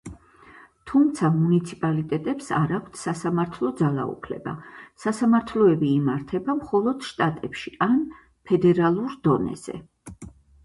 თუმცა მუნიციპალიტეტებს არ აქვთ სასამართლო ძალაუფლება, სასამართლოები იმართება მხოლოდ შტატებში ან ფედერალურ დონეზე.